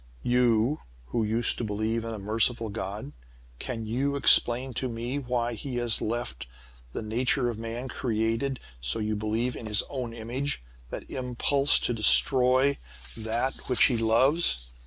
"You, who used to believe in a merciful God, can you explain to me why he has left in the nature of man, created so you believe in His own image that impulse to destroy that which he loves?